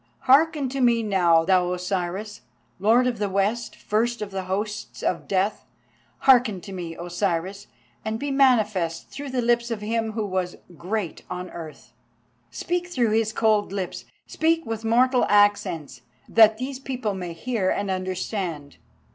Hearken to me now, thou Osiris, Lord of the West, first of the hosts of Death. Hearken to me, Osiris, and be manifest through the lips of him who was great on earth. Speak through his cold lips, speak with mortal accents, that these people may hear and understand.